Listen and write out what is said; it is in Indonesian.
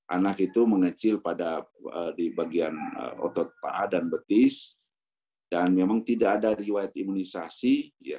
anak itu mengecil pada di bagian otot paha dan betis dan memang tidak ada riwayat imunisasi